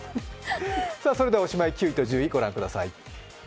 それでは、おしまい９位と１０位、ご覧ください。